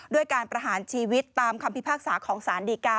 ด้วยการประหารชีวิตตามคำพิพากษาของสารดีกา